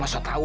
eh indah tahu